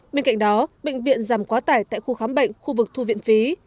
bên cạnh đó bệnh viện giảm quá tải tại khu khám bệnh khu vực thu viện phí